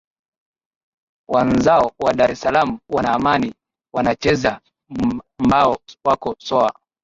wanzao wa dar es salam wana amani wanacheza mbao wako sawa